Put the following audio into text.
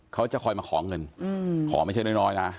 เขาจะคอยมาขอเงินขอไม่ใช่น้อยนะ